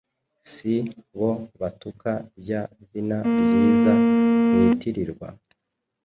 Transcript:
Si bo batuka rya zina ryiza mwitirirwa?”